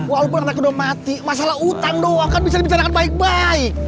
walaupun anaknya udah mati masalah utang doang kan bisa dibicarakan baik baik